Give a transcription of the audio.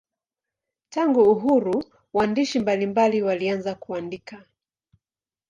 Tangu uhuru waandishi mbalimbali walianza kuandika.